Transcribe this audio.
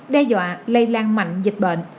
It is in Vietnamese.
đe dọa lây lan mạnh dịch bệnh